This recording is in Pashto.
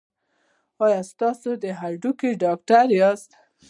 ایا تاسو د هډوکو ډاکټر یاست؟